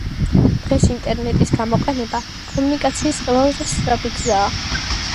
დღეს ინტერნეტის გამოყენება კომუნიკაციის ყველაზე სწრაფი გზაა.